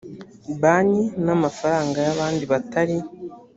banki n amafaranga y abandi batari